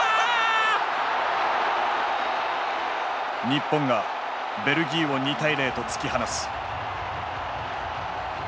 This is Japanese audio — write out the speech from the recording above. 日本がベルギーを２対０と突き放す。